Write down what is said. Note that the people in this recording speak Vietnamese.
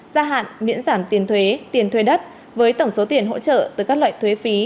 gia hạn miễn giảm tiền thuế tiền thuê đất với tổng số tiền hỗ trợ từ các loại thuế phí